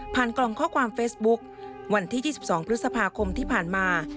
กล่องข้อความเฟซบุ๊ควันที่๒๒พฤษภาคมที่ผ่านมา